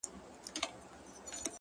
هـغــه اوس سيــمــي د تـــــه ځـــــي!